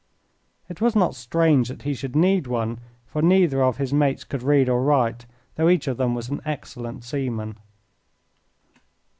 It was not strange that he should need one, for neither of his mates could read or write, though each of them was an excellent seaman.